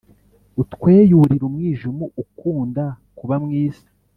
utweyurire umwijima ukunda kuba mw isi.